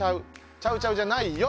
「チャウチャウじゃないよ」